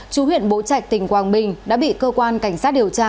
chú huyện bố trạch tỉnh quảng bình đã bị cơ quan cảnh sát điều tra